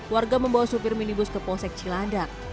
warga membawa supir minibus ke posek cilandak